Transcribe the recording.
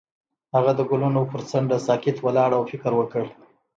هغه د ګلونه پر څنډه ساکت ولاړ او فکر وکړ.